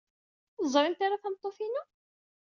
Ur teẓrimt ara tameṭṭut-inu?